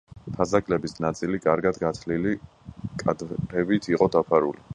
ფასადების ნაწილი კარგად გათლილი კვადრებით იყო დაფარული.